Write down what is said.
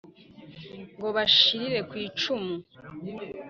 ngo bashirire ku icumu